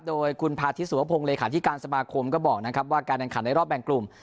โดยคุณพาธิสุวพงศ์เลขาธิการสมาคมก็บอกนะครับว่าการแข่งขันในรอบแบ่งกลุ่ม